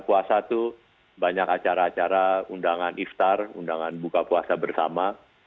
pada bulanan puasa tuh banyak acara acara undangan iftar undangan buka puasa bersama